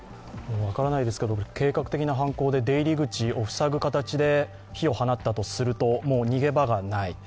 計画的な犯行で出入り口を塞ぐ形で火を放ったとするともう逃げ場がない。